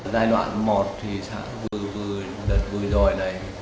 giai đoạn một thì sẽ vừa vừa đợt vừa rồi